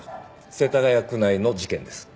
世田谷区内の事件です。